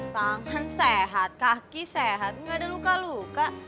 tangan sehat kaki sehat nggak ada luka luka